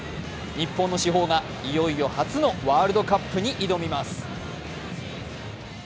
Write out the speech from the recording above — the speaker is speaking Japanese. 日本の至宝がいよいよ初のワールドカップに挑みます。